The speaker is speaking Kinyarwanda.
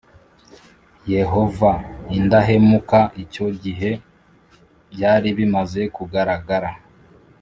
Yehova indahemuka Icyo gihe byari bimaze kugaragara